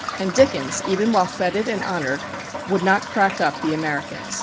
And Dickens, even while fêted and honoured, would not "crack up" the Americans.